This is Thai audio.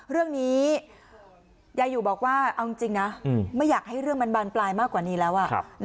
เรื่องนี้ยายอยู่บอกว่าเอาจริงนะไม่อยากให้เรื่องมันบานปลายมากกว่านี้แล้ว